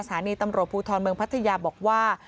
สถานีตำรวจภูทรเมืองพัทยาบอกว่า